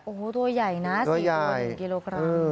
โอ้โหตัวใหญ่นะ๔ตัว๑กิโลกรัม